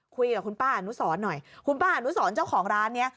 คุยกับคุณป้าอนุสรหน่อยคุณป้าอนุสรเจ้าของร้านนี้